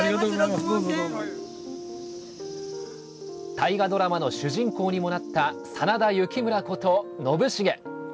大河ドラマの主人公にもなった真田幸村こと、信繁。